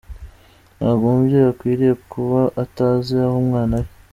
Ntabwo umubyeyi akwiriye kuba atazi aho umwana ari.